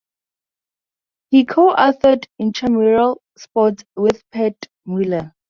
He co-authored "Intramural Sports" with Pat Mueller.